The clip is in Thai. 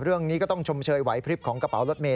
เรื่องนี้ก็ต้องชมเชยไหวพลิบของกระเป๋ารถเมย